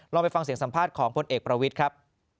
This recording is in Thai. ไปฟังเสียงสัมภาษณ์ของพลเอกประวิทย์ครับ